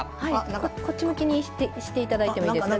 こっち向きにして頂いてもいいです？